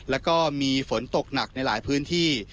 แล้วก็มีฝนตกหนักในหลายพื้นที่